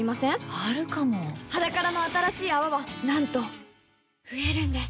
あるかも「ｈａｄａｋａｒａ」の新しい泡はなんと増えるんです